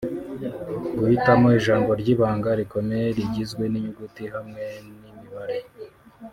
guhitamo ijambo ry’ibanga rikomeye rigizwe n’inyuguti hamwe n’imibare